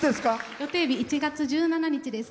予定日、１月１７日です。